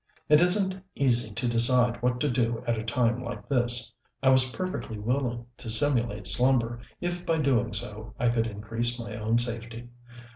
It isn't easy to decide what to do at a time like this. I was perfectly willing to simulate slumber if by so doing I could increase my own safety.